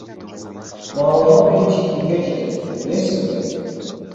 Маалымат биринчи кимге жетет, билесизби?